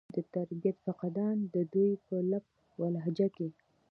د تربيت فقدان د دوي پۀ لب و لهجه کښې